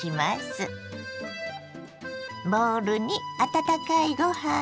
ボウルに温かいご飯